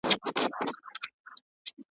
خو پوهېږم چی زړگی مي غولومه `